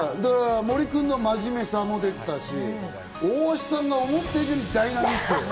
森君の真面目さも出てたし、大橋さんが思っていたよりダイナミック。